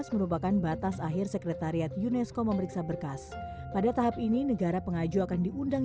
merupakan batas akhir sekretariat unesco memeriksa berkas pada tahap ini negara pengaju akan diundang